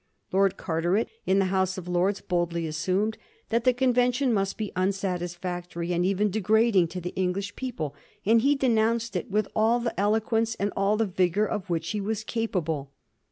Lord Carteret in the House of Lords boldly assumed that the convention must be unsatisfac tory, and even degrading, to the English people, and he denounced it with all the eloquence and all the vigor of which he was capable.